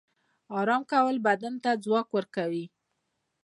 آرام کول بدن ته ځواک ورکوي